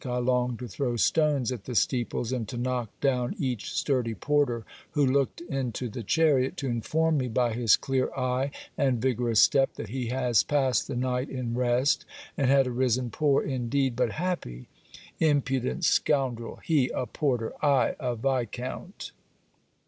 I longed to throw stones at the steeples; and to knock down each sturdy porter who looked into the chariot, to inform me by his clear eye and vigorous step that he has passed the night in rest, and had arisen poor indeed but happy. Impudent scoundrel! He, a porter! I, a viscount!